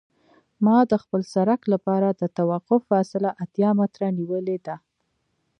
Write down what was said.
ما د خپل سرک لپاره د توقف فاصله اتیا متره نیولې ده